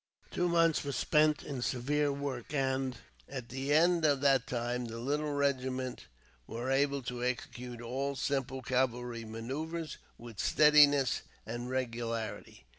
Two months were spent in severe work and, at the end of that time, the little regiment were able to execute all simple cavalry manoeuvres with steadiness and regularity.